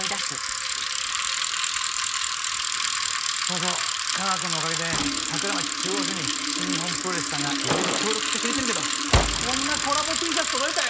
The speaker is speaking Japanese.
そうそう架川くんのおかげで桜町中央署に新日本プロレスさんがいろいろ協力してくれてるけどこんなコラボＴシャツ届いたよ！